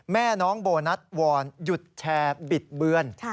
แม่น้องโบนัสวอนหยุดแชร์บิดเบือน